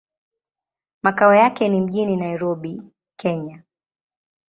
Makao yake ni mjini Nairobi, Kenya.